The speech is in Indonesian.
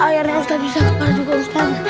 akhirnya ustaz bisa kebar juga ustaz